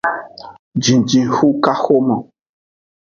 Jijixukaxomo.